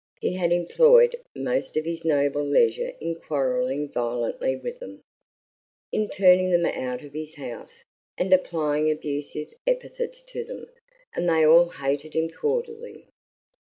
He had employed most of his noble leisure in quarreling violently with them, in turning them out of his house, and applying abusive epithets to them; and they all hated him cordially.